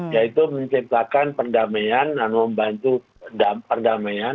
yaitu menciptakan perdamaian dan membantu perdamaian